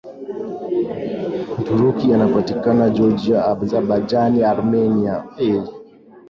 Uturuki inapakana na Georgia Azabajani Armenia na